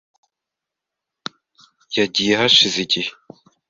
Yagiye hashize igihe .